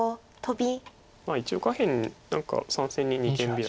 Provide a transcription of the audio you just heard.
一応下辺何か３線に二間で。